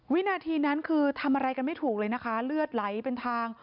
วินาทีนั้นคือทำอะไรกันไม่ถูกเลยนะคะเลือดไหลเป็นทาง